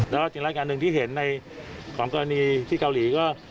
แล้วก็การเห็นในกรณีที่เกาหลี